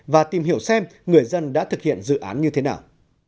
và tìm hiểu xem người dân đã thực hiện dự án như thế nào